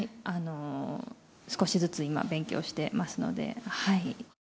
少しずつ今、勉強してますので。